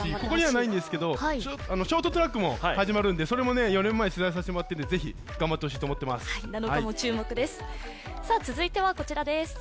ここにはないんですけど、ショートトラックも始まるんでそれも４年前、取材させてもらっているんで、それもぜひ頑張ってもらいたいと思います。